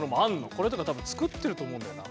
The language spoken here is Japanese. これとか多分作ってると思うんだよな。